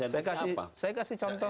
saya kasih contoh